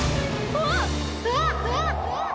あっ！